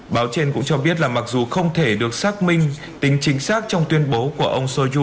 báo trên cũng cho biết là mặc dù không thể được xác minh tính chính xác trong tuyên bố